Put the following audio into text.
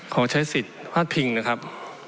ขอใช้สิทธิ์พลาดพิงนะครับ